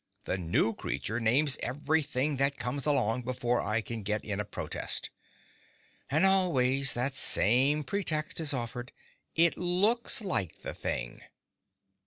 The new creature names everything that comes along, before I can get in a protest. And always that same pretext is offered—it looks like the thing.